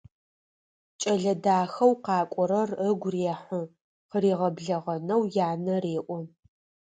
Кӏэлэ дахэу къакӏорэр ыгу рехьы, къыригъэблэгъэнэу янэ реӏо.